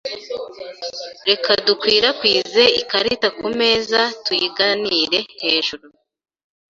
Reka dukwirakwize ikarita kumeza tuyiganire hejuru.